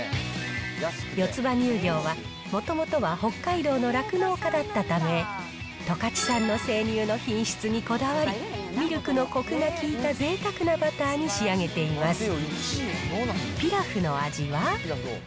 よつ葉乳業は、もともとは北海道の酪農家だったため、十勝産の生乳の品質にこだわり、ミルクのこくが効いたぜいたくなバターに仕上げています。